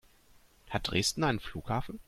Hat Dresden einen Flughafen?